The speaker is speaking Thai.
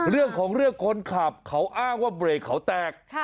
เรื่องของเรื่องคนขับเขาอ้างว่าเบรกเขาแตก